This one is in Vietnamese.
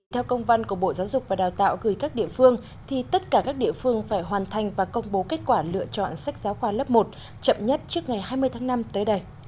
theo công văn của bộ giáo dục và đào tạo gửi các địa phương thì tất cả các địa phương phải hoàn thành và công bố kết quả lựa chọn sách giáo khoa lớp một chậm nhất trước ngày hai mươi tháng năm tới đây